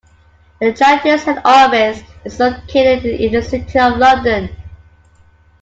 The charity's head office is located in the City of London.